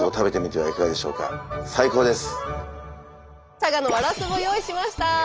佐賀のワラスボ用意しました。